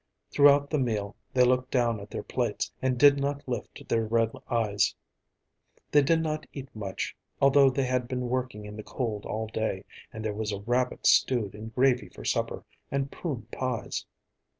Throughout the meal they looked down at their plates and did not lift their red eyes. They did not eat much, although they had been working in the cold all day, and there was a rabbit stewed in gravy for supper, and prune pies.